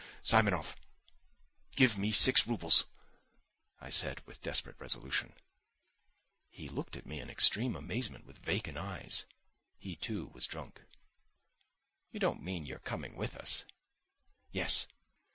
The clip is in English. "Simonov! give me six roubles!" I said, with desperate resolution. He looked at me in extreme amazement, with vacant eyes. He, too, was drunk. "You don't mean you are coming with us?" "Yes."